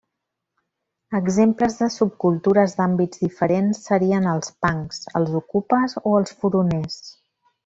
Exemples de subcultures d'àmbits diferents serien els punks, els okupes o els furoners.